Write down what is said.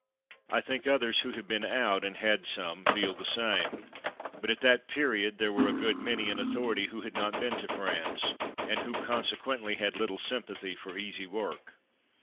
I think others who have "been out'' and "had some'' feel the same. But at that period there were a good many in authority who had not been to France, and who conse quently had little sympathy for easy work.